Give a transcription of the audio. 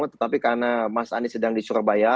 tetapi karena mas anies sedang di surabaya